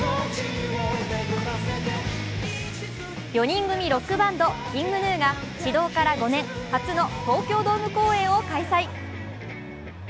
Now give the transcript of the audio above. ４人組ロックバンドＫｉｎｇＧｎｕが始動から５年、初の東京ドーム公演を開催。